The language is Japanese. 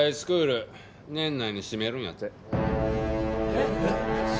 えっ？